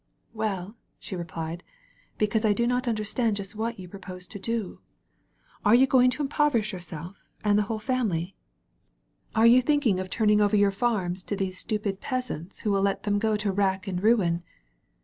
"Well," she replied, "because I do not under* stand just what you propose to do. Are you going ai7 THE VALLEY OF VISION to impoverish yourself and the whole family? Are you thinking of turning over your farms to these stupid peasants who will let them go to rack and ruin?